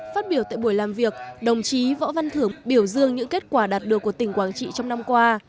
phát biểu tại buổi làm việc đồng chí võ văn thưởng biểu dương những kết quả đạt được của tỉnh quảng trị trong năm qua